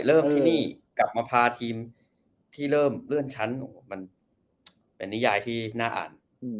เริ่มที่นี่กลับมาพาทีมที่เริ่มเลื่อนชั้นหนูมันเป็นนิยายที่น่าอ่าน